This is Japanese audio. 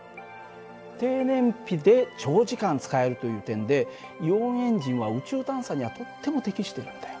低燃費で長時間使えるという点でイオンエンジンは宇宙探査にはとっても適してるんだよ。